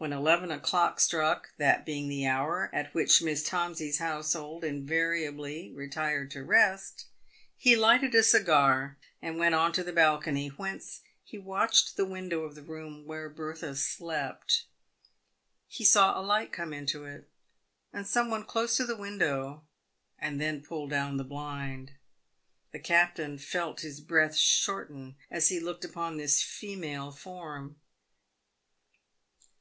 When eleven o'clock struck — that being the hour at which Miss Tomsey's household invariably retired to rest — he lighted a cigar, and went on to the balcony, whence he watched the window of the room where Bertha slept. He saw a light come into it, and some one close the window, and then pull down the blind. The cap tain felt his breath shorten as he looked upon this female form.